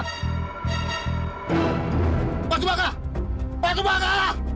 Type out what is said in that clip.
pak usmaka pak usmaka